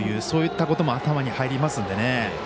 そういったことも頭に入りますのでね。